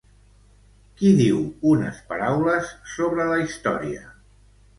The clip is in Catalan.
Qui diu unes paraules sobre la història?